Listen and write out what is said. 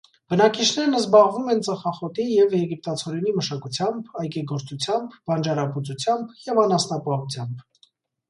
Բնակիչներն զբաղվում են ծխախոտի և եգիպտացորենի մշակությամբ, այգեգործությամբ, բանջարաբուծությամբ և անասնապահությամբ։